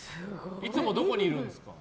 いつもどこにいるんですか？